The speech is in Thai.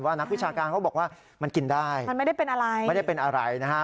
นักวิชาการเขาบอกว่ามันกินได้มันไม่ได้เป็นอะไรไม่ได้เป็นอะไรนะฮะ